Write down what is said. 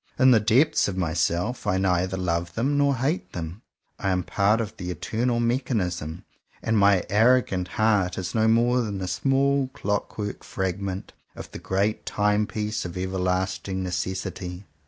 In the depths of myself, I neither love them nor hate them: I am part of the Eternal Mechanism, and my arrogant heart is no more than a small clock work fragment of the great Time piece of everlasting Necessity.